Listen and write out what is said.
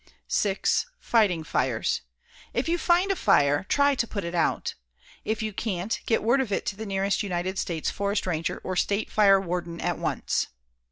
6. Fighting fires. If you find a fire, try to put it out. If you can't, get word of it to the nearest United States forest ranger or State fire warden at once.